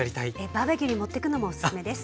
バーベキューに持ってくのもおすすめです。